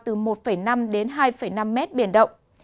từ chiều và đêm nay vùng biển cao từ một năm đến hai năm mét biển động